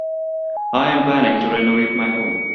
I am planning to renovate my home.